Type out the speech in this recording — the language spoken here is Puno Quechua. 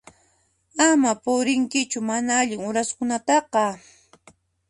Ama purinkichu mana allin uraskunataqa.